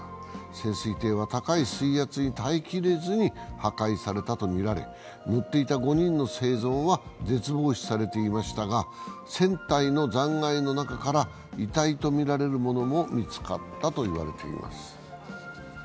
潜水艇は高い水圧に耐えきれずに破壊されたとみられ乗っていた５人の生存は絶望視されていましたが船体の残骸の中から、遺体とみられるものも見つかったといわれています。